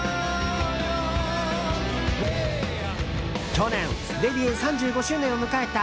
去年デビュー３５周年を迎えた